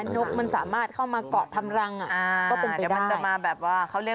ดักให้ไล่นกแบบนี้